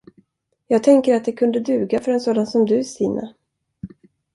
Jag tänker det kunde duga för en sådan som du, Stina.